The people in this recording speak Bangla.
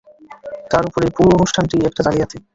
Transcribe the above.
তার উপর, এই পুরো অনুষ্ঠানটাই একটা জালিয়াতি।